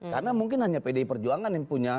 karena mungkin hanya pdi perjuangan yang punya